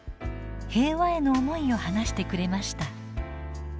平和への思いを話してくれました。